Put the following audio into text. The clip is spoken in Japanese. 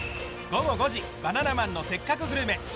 午後５時「バナナマンのせっかくグルメ！！」